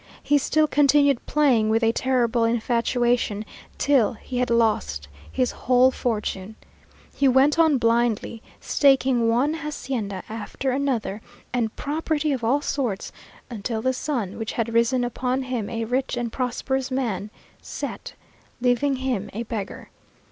He still continued playing with a terrible infatuation, till he had lost his whole fortune. He went on blindly, staking one hacienda after another, and property of all sorts, until the sun, which had risen upon him a rich and prosperous man, set, leaving him a beggar!